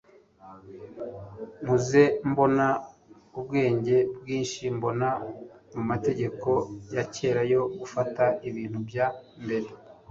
nkuze mbona ubwenge bwinshi mbona mu mategeko ya kera yo gufata ibintu bya mbere